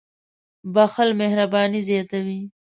• بښل مهرباني زیاتوي.